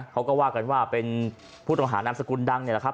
เขาก็ว่ากันว่าเป็นผู้ต้องหานามสกุลดังนี่แหละครับ